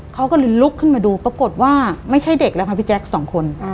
เขาก็เลยลุกขึ้นมาดูปรากฏว่าไม่ใช่เด็กแล้วค่ะพี่แจ๊คสองคน